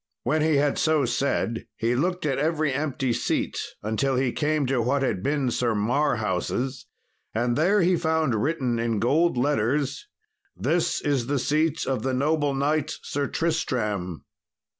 When he had so said he looked at every empty seat until he came to what had been Sir Marhaus', and there he found written in gold letters, "This is the seat of the noble knight, Sir Tristram."